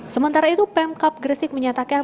sementara itu pemkap gresik menyatakan